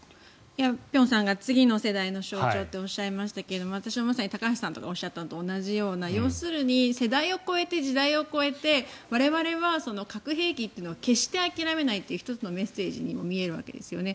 辺さんが次の世代の象徴っておっしゃいましたが私も高橋さんがおっしゃったのと同じように要するに世代、時代を超えて我々は核兵器というのを決して諦めないという１つのメッセージにも見えるわけですね。